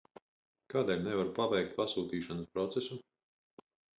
Kādēļ nevaru pabeigt pasūtīšanas procesu?